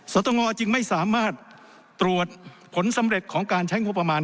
สตงจึงไม่สามารถตรวจผลสำเร็จของการใช้งบประมาณ